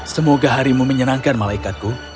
semoga harimu menyenangkan malaikatku